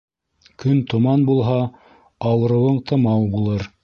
Көн томан булһа, ауырыуың тымау булыр.